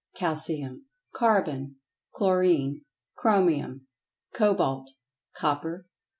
Calcium. Carbon. Chlorine. Chromium. Cobalt. Copper.